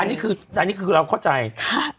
อันนี้คืออันนี้คือเราเข้าใจค่ะ